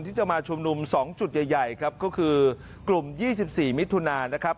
ที่จะมาชุมนุม๒จุดใหญ่ครับก็คือกลุ่ม๒๔มิถุนานะครับ